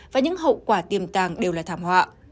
và những hậu quả tiềm tàng đều là thảm họa